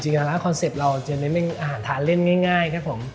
จริงอาหารคอนเซ็ปต์เราจะเน้นเป็นอาหารทานเล่นง่ายครับผม